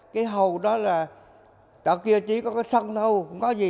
cái hầu đó là chợ kia chỉ có cái sân thôi không có gì